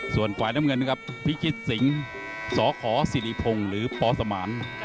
ส่วนวายน้ำเงินฟิกิษศิงศ์สอขอซิริพงศ์หรือปอสมาน